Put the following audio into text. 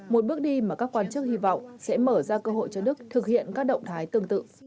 một bước đi mà các quan chức hy vọng sẽ mở ra cơ hội cho đức thực hiện các động thái tương tự